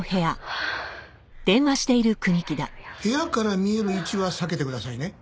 部屋から見える位置は避けてくださいね。